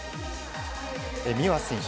美和選手